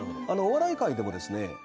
お笑い界でもですね